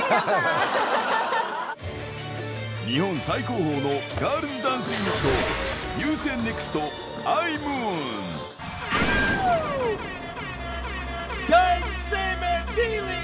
日本最高峰のガールズダンスユニット、ユーセンネクストアイムーン。